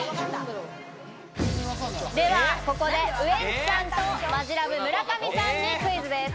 ではここで、ウエンツさんとマヂラブ村上さんにクイズです。